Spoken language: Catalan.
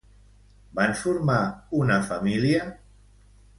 Van formar una família?